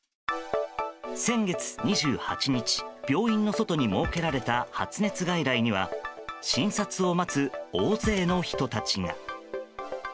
先月２８日、病院の外に設けられた発熱外来には診察を待つ大勢の人たちが。